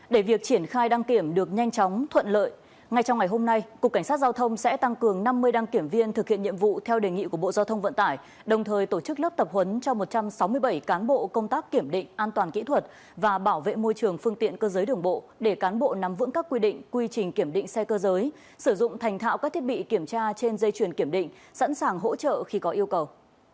để việc triển khai đăng kiểm được nhanh chóng thuận lợi ngay trong ngày hôm nay cục cảnh sát giao thông sẽ tăng cường năm mươi đăng kiểm viên thực hiện nhiệm vụ theo đề nghị của bộ giao thông vận tải đồng thời tổ chức lớp tập huấn cho một trăm sáu mươi bảy cán bộ công tác kiểm định an toàn kỹ thuật và bảo vệ môi trường phương tiện cơ giới đường bộ để cán bộ nắm vững các quy định quy trình kiểm định xe cơ giới sử dụng thành thạo các thiết bị kiểm tra trên dây truyền kiểm định sẵn sàng hỗ trợ khi có yêu cầu